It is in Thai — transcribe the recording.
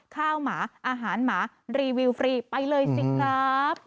หมาอาหารหมารีวิวฟรีไปเลยสิครับ